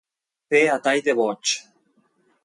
Fer a tall de boig.